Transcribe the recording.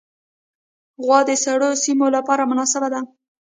غوا د سړو سیمو لپاره هم مناسبه ده.